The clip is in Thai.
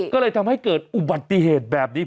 ก็เลยทำให้เกิดอุบัติเหตุแบบนี้